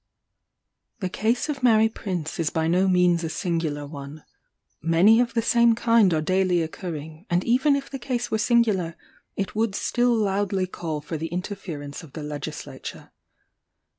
The case of Mary Prince is by no means a singular one; many of the same kind are daily occurring: and even if the case were singular, it would still loudly call for the interference of the legislature.